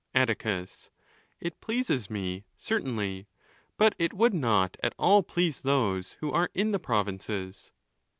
Atticus.—It pleases me, certainly; but it would not at all please those who are in the provinces.